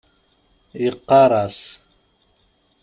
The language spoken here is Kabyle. Yeqqar-as .